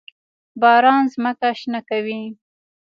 باران ځمکه شنه کوي.